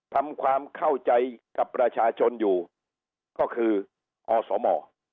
ทำความเข้าใจกับประชาชนอยู่ก็คืออสม